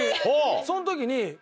その時に。